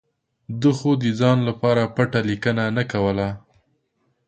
ده خو د ځان لپاره پټه لیکنه نه کوله.